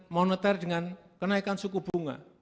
moneter dengan kenaikan suku bunga